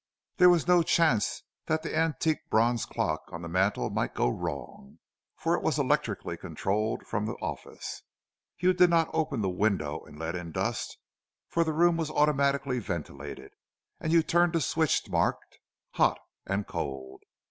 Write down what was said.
There was no chance that the antique bronze clock on the mantel might go wrong, for it was electrically controlled from the office. You did not open the window and let in the dust, for the room was automatically ventilated, and you turned a switch marked "hot" and "cold."